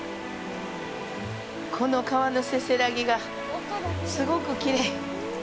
この川のせせらぎがすごくきれい。